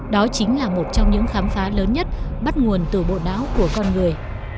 đó chính là một trong những khám phá lớn nhất bắt nguồn từ bộ não của con người